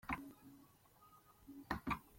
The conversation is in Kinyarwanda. Best Song from Southern Africa Roberto – Into You.